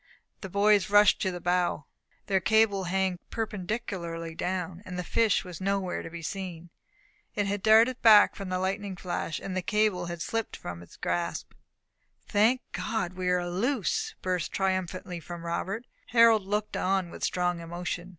The boys rushed to the bow. Their cable hung perpendicularly down, and the fish was nowhere to be seen. It had darted back from the lightning flash, and the cable had slipped quietly from its grasp. "Thank God we are loose!" burst triumphantly from Robert. Harold looked on with strong emotion.